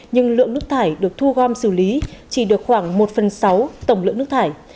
nhưng lượng nước thải được thu gom xử lý chỉ được khoảng một phần sáu tổng lượng nước thải